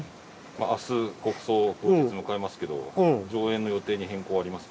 あす国葬当日を迎えますけど上映の予定に変更はありますか？